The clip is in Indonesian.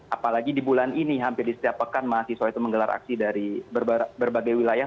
apalagi di bulan ini hampir di setiap pekan mahasiswa itu menggelar aksi dari berbagai wilayah